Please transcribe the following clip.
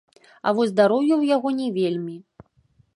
А вось здароўе ў яго не вельмі.